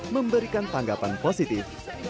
memberikan tanggapan positif